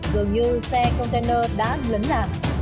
dường như xe container đã lấn đạp